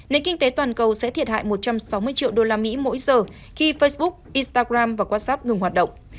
nền kinh tế toàn cầu sẽ thiệt hại một trăm sáu mươi triệu usd mỗi giờ khi facebook instagram và whatsap ngừng hoạt động